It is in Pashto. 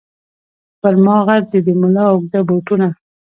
پر ما غټ دي د مُلا اوږده بوټونه